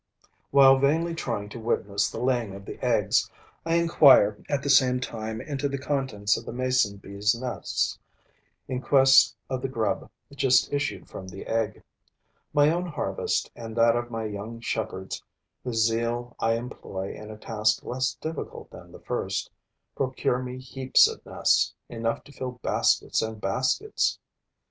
While vainly trying to witness the laying of the eggs, I inquire, at the same time, into the contents of the Mason bee's nests, in quest of the grub just issued from the egg. My own harvest and that of my young shepherds, whose zeal I employ in a task less difficult than the first, procure me heaps of nests, enough to fill baskets and baskets.